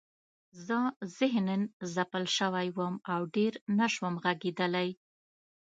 زه ذهناً ځپل شوی وم او ډېر نشوم غږېدلی